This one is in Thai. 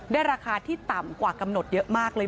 ราคาที่ต่ำกว่ากำหนดเยอะมากเลย